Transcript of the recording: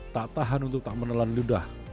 tak tahan untuk tak menelan ludah